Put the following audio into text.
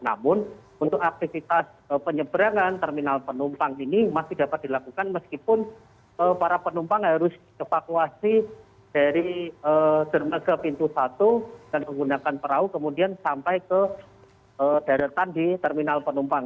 namun untuk aktivitas penyeberangan terminal penumpang ini masih dapat dilakukan meskipun para penumpang harus evakuasi dari ke pintu satu dan menggunakan perahu kemudian sampai ke daratan di terminal penumpang